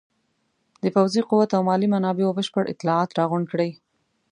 د پوځي قوت او مالي منابعو بشپړ اطلاعات راغونډ کړي.